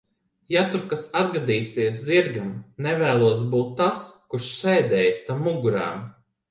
Ja tur kas atgadīsies zirgam, nevēlos būt tas, kurš sēdēja tam mugurā.